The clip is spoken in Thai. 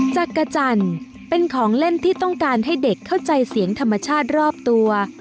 จักรจันทร์เป็นของเล่นที่ต้องการให้เด็กเข้าใจเสียงธรรมชาติรอบตัว